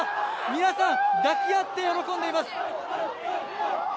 皆さん、抱き合って喜んでいます。